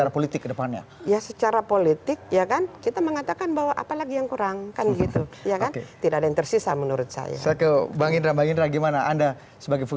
poin poinnya ada dimana saja